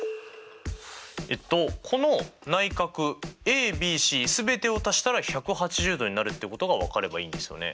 えっとこの内角ａｂｃ全てを足したら１８０°になるってことが分かればいいんですよね？